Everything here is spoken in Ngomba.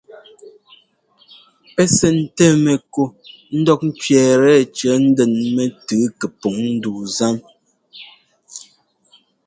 Pɛ́ sɛntɛ mɛku ńdɔk ńtsẅɛ́ɛtɛ cɔ̌ ndɛn mɛtʉʉ kɛpɔŋ ndu zan.